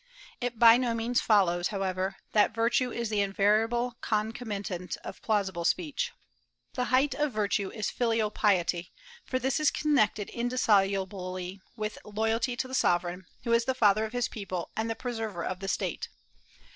It by no means follows, however, that virtue is the invariable concomitant of plausible speech. The height of virtue is filial piety; for this is connected indissolubly with loyalty to the sovereign, who is the father of his people and the preserver of the State.